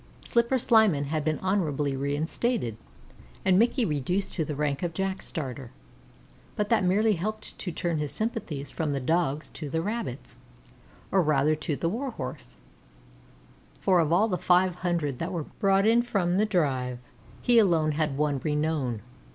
Slipper Slyman had been honorably reinstated and Mickey reduced to the rank of Jack starter, but that merely helped to turn his sympathies from the Dogs to the Rabbits, or rather to the Warhorse, for of all the five hundred that were brought in from the drive he alone had won renown.